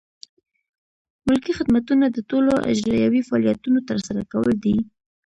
ملکي خدمتونه د ټولو اجرایوي فعالیتونو ترسره کول دي.